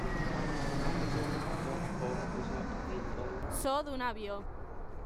Amazon dot com was not to be involved.